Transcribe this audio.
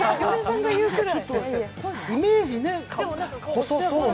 イメージは細そうな。